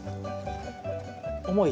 重い？